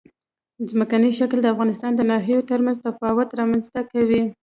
ځمکنی شکل د افغانستان د ناحیو ترمنځ تفاوتونه رامنځ ته کوي.